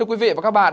của quý vị và các bạn